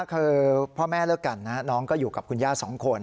คือพ่อแม่เลิกกันนะน้องก็อยู่กับคุณย่าสองคน